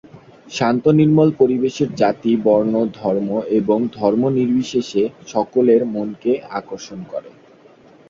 শান্ত নির্মল পরিবেশ জাতি, বর্ণ, ধর্ম এবং ধর্ম নির্বিশেষে সকলের মনকে আকর্ষণ করে।